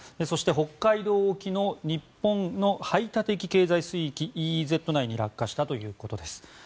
そして北海道沖の日本の排他的経済水域・ＥＥＺ内に落下したということです。